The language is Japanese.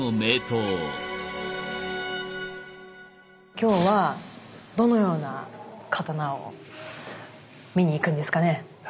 今日はどのような刀を見に行くんですかね？